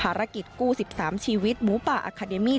กู้๑๓ชีวิตหมูป่าอาคาเดมี่